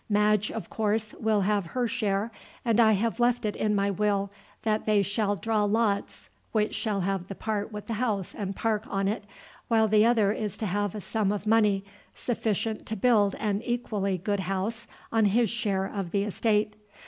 Madge, of course, will have her share; and I have left it in my will that they shall draw lots which shall have the part with the house and park on it, while the other is to have a sum of money sufficient to build an equally good house on his share of the estate.